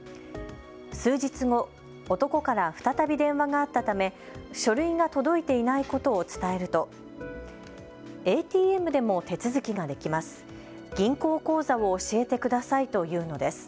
数日後、男から再び電話があったため書類が届いていないことを伝えるとＡＴＭでも手続きができます。